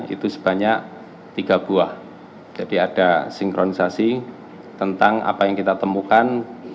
itu sebanyak tiga buah jadi ada sinkronisasi tentang apa yang kita temukan